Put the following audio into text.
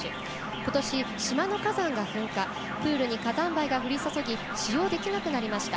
ことし、島の火山が噴火プールに火山灰が降り注ぎ使用できなくなりました。